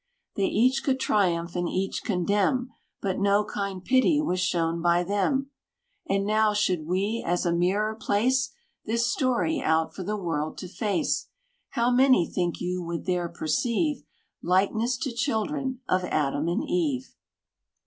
They each could triumph, and each condemn; But no kind pity was shown by them. And now, should we, as a mirror, place This story out for the world to face, How many, think you, would there perceive Likeness to children of Adam and Eve?